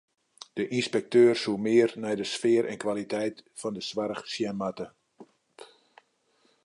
De ynspekteur soe mear nei de sfear en kwaliteit fan de soarch sjen moatte.